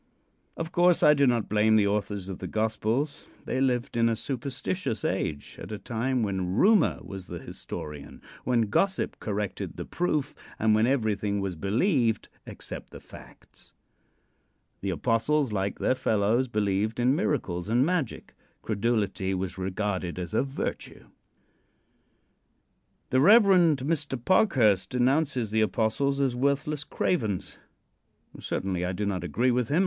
Of course, I do not blame the authors of the gospels. They lived in' a superstitious age, at a time when Rumor was the historian, when Gossip corrected the "proof," and when everything was believed except the facts. The apostles, like their fellows, believed in miracles and magic. Credulity was regarded as a virtue. The Rev. Mr. Parkhurst denounces the apostles as worthless cravens. Certainly I do not agree with him.